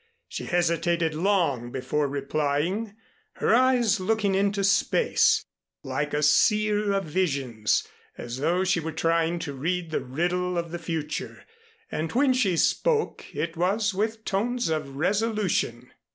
She hesitated long before replying, her eyes looking into space, like a seer of visions, as though she were trying to read the riddle of the future. And when she spoke it was with tones of resolution.